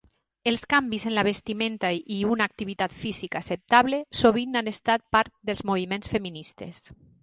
Els canvis en la vestimenta i una activitat física acceptable sovint han estat part dels moviments feministes.